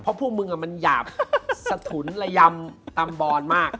เพราะพวกมึงมันหยาบสะทุนระยำตำบอนมาก